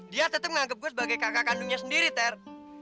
dia tetap menganggap gue sebagai kakak kandungnya sendiri ter